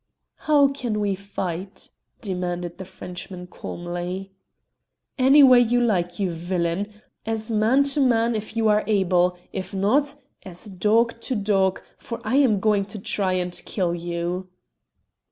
"How can we fight?" demanded the Frenchman calmly. "Any way you like, you villain. As man to man if you are able. If not, as dog to dog, for I am going to try and kill you!"